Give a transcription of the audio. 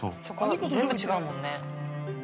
全部違うもんね。